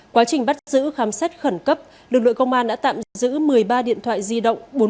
quá trình bắt giữ khám xét khẩn cấp lực lượng công an đã tạm giữ một mươi ba điện thoại di động